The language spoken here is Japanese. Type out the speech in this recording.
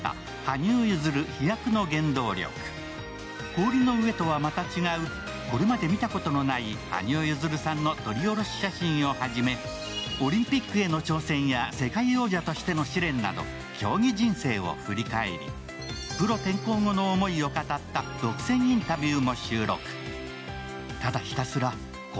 氷の上とはまた違うこれまで見たことのない羽生結弦さんの撮り下ろし写真をはじめ、オリンピックへの挑戦は世界王者としての試練など競技人生を振り返りプロ転向後の思いを語った独占インタビューも収録。